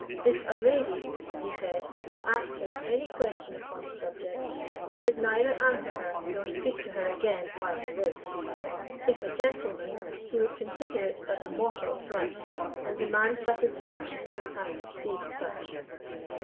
"If a lady," he said, "asked him any question upon the subject, he would neither answer her nor speak to her again while he lived; if a gentleman, he would consider it as a mortal affront, and demand satisfaction as having received such."